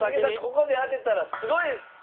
ここで当てたらすごいです！